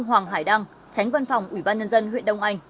hoàng hải đăng tránh văn phòng ủy ban nhân dân huyện đông anh